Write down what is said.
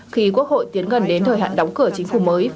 khi quốc hội tiến gần đến thời hạn đóng cửa chính phủ mới